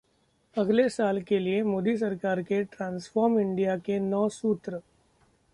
अगले साल के लिए मोदी सरकार के ‘ट्रांसफॉर्म इंडिया’ के नौ सूत्र